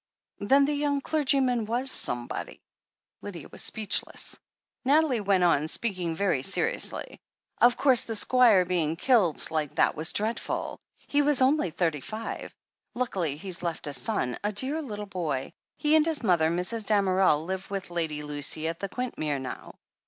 Then the young clergyman was "somebody." Lydia was speechless. Nathalie went on, speaking very seriously : 270 THE HEEL OF ACHILLES "Of course, the Squire being killed like that was dreadful — ^he was only thirty five. Luckily he's left a son — 3. dear little boy. He and his mother, Mrs. Damerel, live with Lady Lucy at Quintmere now."